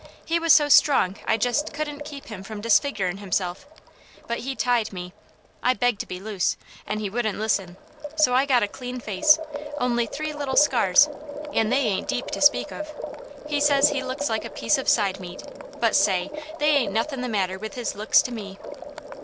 He was so strong I jest couldn't keep him from disfigerin' himself, but he tied me. I begged to be loose, an' he wouldn't listen, so I got a clean face, only three little scars, an' they ain't deep to speak of. He says he looks like a piece of side meat, but say! they ain't nothin' the matter with his looks to me!